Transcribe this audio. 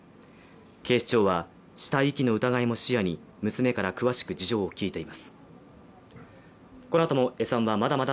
警視庁は死体遺棄の疑いも視野に娘から詳しく事情を聴いています。